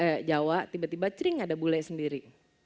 satu mukanya jawa tiba tiba cering ada bule sendiri